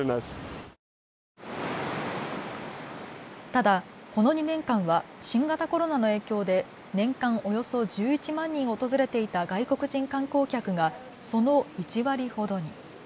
ただ、この２年間は新型コロナの影響で年間およそ１１万人訪れていた外国人観光客がその１割ほどに。